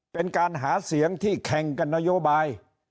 เป็นการหาเสียงที่แข่งกับนโยบาย